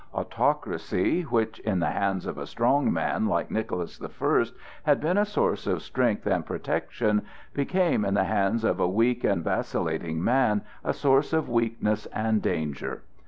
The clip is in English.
Autocracy, which in the hands of a strong man like Nicholas the First had been a source of strength and protection, became in the hands of a weak and vacillating man a source of weakness and danger.